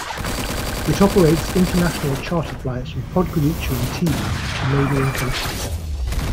It operates international charter flights from Podgorica and Tivat to neighbouring countries.